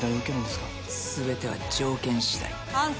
全ては条件次第。